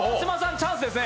チャンスですね。